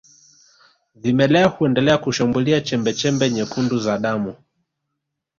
Vimelea huendelea kushambulia chembechembe nyekundu za damu